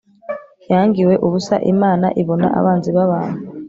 yangiwe ubusa imana ibona abanzi babantu